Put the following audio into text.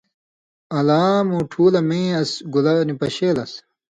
الاں مُوٹُھو لہ مِیں اَس گولہ نی پشے لس۔